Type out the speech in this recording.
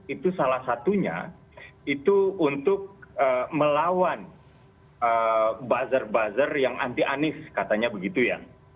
itu salah satunya itu untuk melawan buzzer buzzer yang anti anis katanya begitu ya